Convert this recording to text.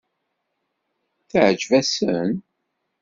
Teɛǧeb-asen?